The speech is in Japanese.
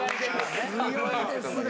強いですね。